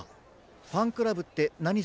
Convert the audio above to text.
ファンクラブってなにするの？